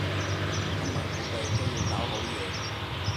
今晚估計都要搞好夜